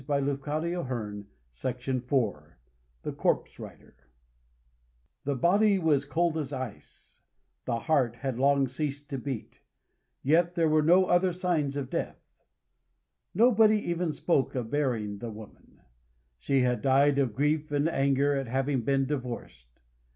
The Corpse Rider [Decoration] From the Konséki Monogatari THE body was cold as ice; the heart had long ceased to beat: yet there were no other signs of death. Nobody even spoke of burying the woman. She had died of grief and anger at having been divorced.